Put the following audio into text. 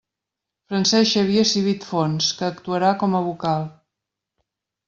Francesc Xavier Civit Fons, que actuarà com a vocal.